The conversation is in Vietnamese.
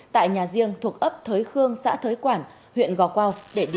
tại nhà riêng thuộc ấp thới khương xã thới quản huyện gò quao